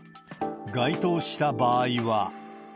該当した場合は。